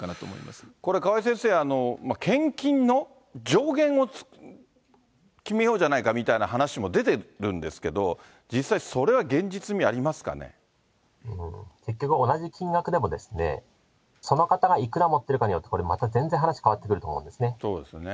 これ、川井先生、献金の上限を決めようじゃないかみたいな話も出てるんですけど、実際それは結局同じ金額でも、その方がいくら持ってるかによってまた全然話変わってくると思うんですね。